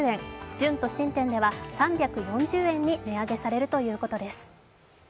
準都心店では３４０円に値上げするということです。